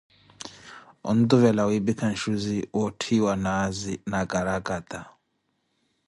Ontuvela wipikha nxuzi wootthiwa naazi na karakata.